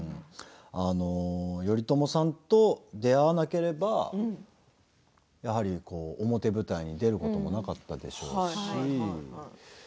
頼朝さんと出会わなければやはり表舞台に出ることはなかったでしょうし。